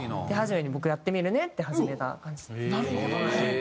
手始めに僕やってみるねって始めた感じです。